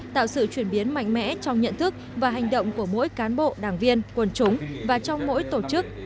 tạo sự chuyển biến mạnh mẽ trong nhận thức và hành động của mỗi cán bộ đảng viên quần chúng và trong mỗi tổ chức